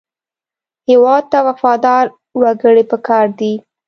هېواد ته وفادار وګړي پکار دي